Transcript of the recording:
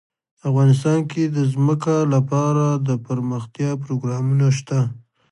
افغانستان کې د ځمکه لپاره دپرمختیا پروګرامونه شته.